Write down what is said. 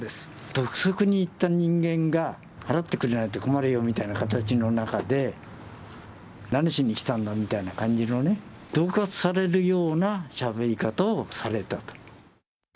督促に行った人間が、払ってくれないと困るよみたいな形の中で、何しに来たんだみたいな感じのね、どう喝されるようなしゃべり方をされたと。